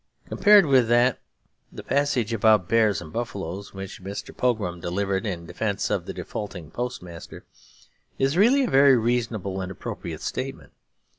Compared with that, the passage about bears and buffaloes, which Mr. Pogram delivered in defence of the defaulting post master, is really a very reasonable and appropriate statement.